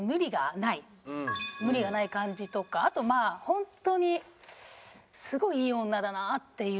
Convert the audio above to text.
無理がない感じとかあとホントにすごいいい女だなっていう。